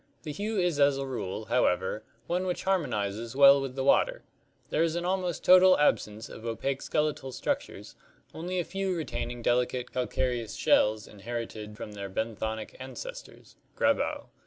The hue is as a rule, however, one which harmonizes well with the water. There is an almost total absence of opaque skeletal struc tures, only a few retaining delicate cal careous shells inherited from their ben fig. 6.— PUnkionic jeiiy thonic ancestors (Grabau).